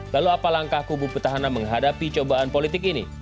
lalu apa langkah kubu petahana menghadapi cobaan politik ini